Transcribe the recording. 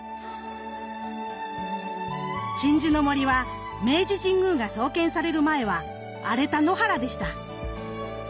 鎮守の森は明治神宮が創建される前は荒れた野原でした。